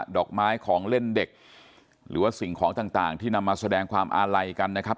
ดอกไม้ของเล่นเด็กหรือว่าสิ่งของต่างที่นำมาแสดงความอาลัยกันนะครับ